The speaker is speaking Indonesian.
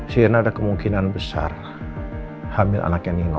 sirna ada kemungkinan besar hamil anaknya nino